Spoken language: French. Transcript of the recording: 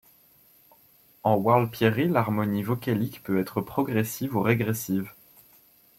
En warlpiri, l'harmonie vocalique peut être progressive ou régressive.